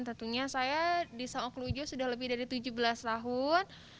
tentunya saya di saung angklung ujo sudah lebih dari tujuh belas tahun